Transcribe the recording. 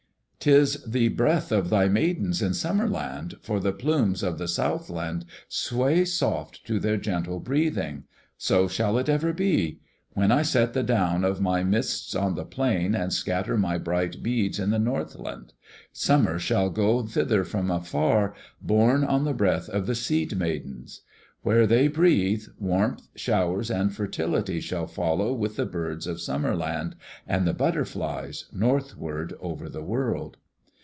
"'T is the breath of my Maidens in Summer land, for the plumes of the southland sway soft to their gentle breathing. So shall it ever be. When I set the down of my mists on the plains and scatter my bright beads in the northland(7), summer shall go thither from afar, borne on the breath of the Seed Maidens. Where they breathe, warmth, showers, and fertility shall follow with the birds of Summer land, and the butterflies, northward over the world."